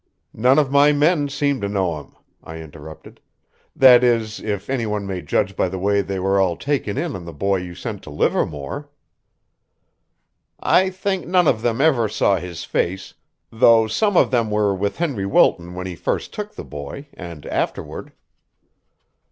"None of my men seems to know him," I interrupted; "that is, if one may judge by the way they were all taken in on the boy you sent to Livermore." "I think none of them ever saw his face, though some of them were with Henry Wilton when he first took the boy, and afterward."